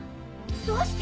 どうして？